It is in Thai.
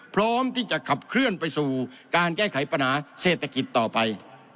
พร้อมที่จะขับเคลื่อนไปสู่การแก้ไขปัญหาเศรษฐกิจต่อไป